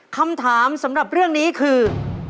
คำถามสำหรับเรื่องนี้คือ